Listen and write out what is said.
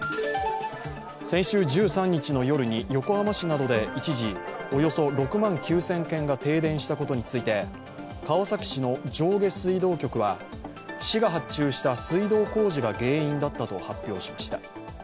先週１３日の夜に横浜市などで一時、およそ６万９００軒が停電したことについて、川崎市の上下水道局は市が発注した水道工事が原因だったと発表しました。